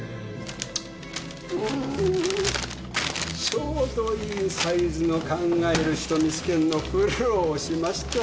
ちょうどいいサイズの「考える人」見つけんの苦労しました。